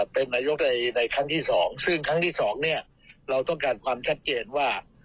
เป็นนายกในครั้งที่๒ซึ่งครั้งที่สองเนี่ยเราต้องการความชัดเจนว่า